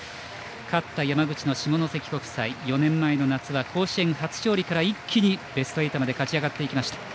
勝った、山口の下関国際４年前の夏は甲子園初勝利から一気にベスト８まで勝ち上がっていきました。